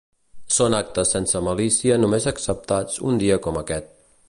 Són actes sense malícia només acceptats un dia com aquest.